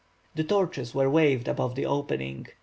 The torches were waved above the opening.